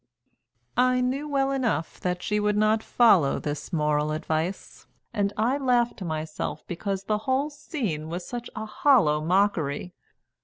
I knew well enough that she would not follow this moral advice, and I laughed to myself because the whole scene was such a hollow mockery.